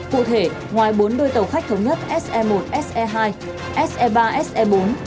cụ thể ngoài bốn đôi tàu khách thống nhất se một se hai se ba se bốn